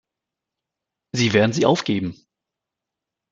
Sie werden sie aufgeben!